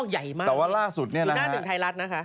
ใช่เนื้องอกใหญ่มากอยู่หน้าหนึ่งไทยรัฐนะฮะแต่ว่าล่าสุดเนี่ยนะฮะ